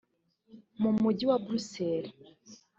mu mujyi wa Bruxelles